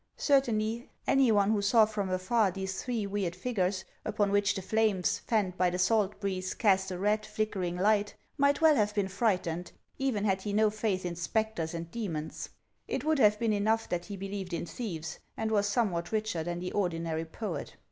Certainly, any one who saw from afar these three weird figures, upon which the flames, fanned by the salt breeze, cast a red, flickering light, might well have been fright ened, even had he no faith in spectres and demons ; it would have been enough that he believed in thieves and was somewhat richer than the ordinary poet.